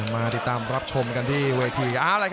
มาติดตามรับชมกันที่เวที